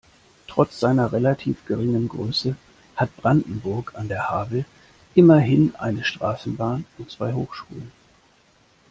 Trotz seiner relativ geringen Größe hat Brandenburg an der Havel immerhin eine Straßenbahn und zwei Hochschulen.